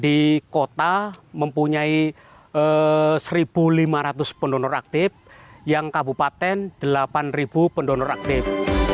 di kota mempunyai satu lima ratus pendonor aktif yang kabupaten delapan pendonor aktif